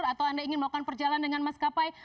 atau anda ingin melakukan perjalanan dengan maskapai